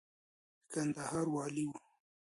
د کندهار والي و.